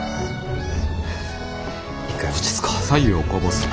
一回落ち着こう。